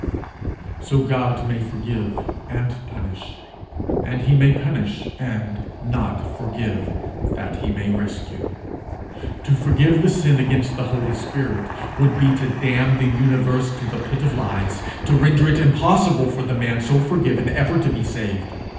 So God may forgive and punish; and he may punish and not forgive, that he may rescue. To forgive the sin against the holy spirit would be to damn the universe to the pit of lies, to render it impossible for the man so forgiven ever to be saved.